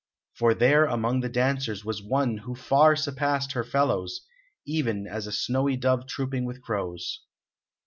For there among the dancers was one who far surpassed her fellows, even as a snowy dove trooping with crows.